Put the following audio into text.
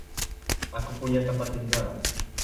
Aku punya tempat tinggal.